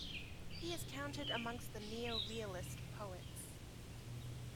He is counted amongst the neorealist poets.